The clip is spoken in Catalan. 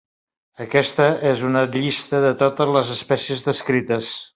Aquesta és una llista de totes les espècies descrites.